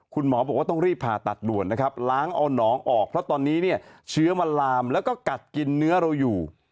คุณหมอบอกว่าต้องรีบผ่าตัดด่วนนะครับล้างเอาน้องออกเพราะตอนนี้เนี่ยเชื้อมันลามแล้วก็กัดกินเนื้อเราอยู่